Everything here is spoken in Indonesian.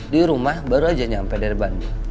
di rumah baru aja nyampe dari bandung